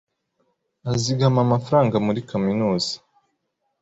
azigama amafaranga muri kaminuza.